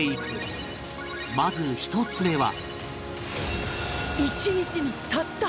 まず１つ目は